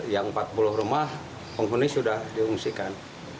yang empat puluh rumah penghuni sudah diungsikan